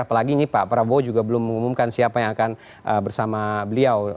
apalagi ini pak prabowo juga belum mengumumkan siapa yang akan bersama beliau